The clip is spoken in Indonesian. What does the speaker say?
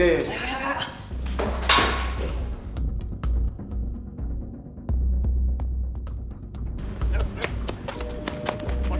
eh pergi pergi